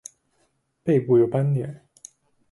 背部有斑点。